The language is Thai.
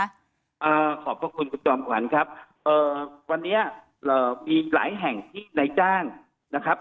อ่าขอบพระคุณคุณจอมขวัญครับเอ่อวันนี้เอ่อมีหลายแห่งที่ในจ้างนะครับ